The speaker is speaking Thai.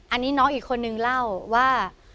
อันนี้น้องอีกคนนึงเล่าว่า